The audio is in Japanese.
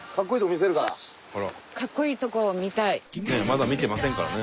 まだ見てませんからね。